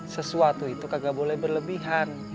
sesuatu itu kagak boleh berlebihan